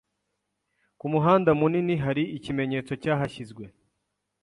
ku muhanda munini hari ikimenyetso cyahashyizwe